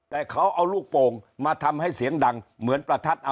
แต่เขาเอาลูกโป่งมาทำให้เสียงดังเหมือนประทัด